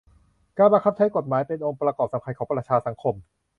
การบังคับใช้กฎหมายเป็นองค์ประกอบสำคัญของประชาสังคม